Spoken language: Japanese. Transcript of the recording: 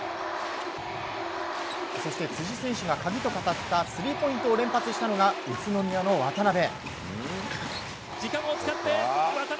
そして、辻選手が鍵と語ったスリーポイントを連発したのが宇都宮の渡邉。